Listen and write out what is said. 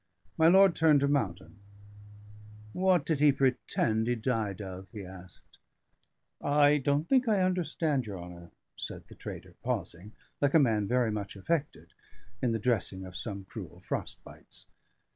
My lord turned to Mountain. "What did he pretend he died of?" he asked. "I don't think I understand your honour," said the trader, pausing, like a man very much affected, in the dressing of some cruel frost bites.